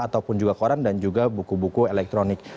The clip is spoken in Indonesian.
ataupun juga koran dan juga buku buku elektronik